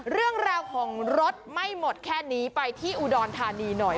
เรื่องราวของรถไม่หมดแค่นี้ไปที่อุดรธานีหน่อย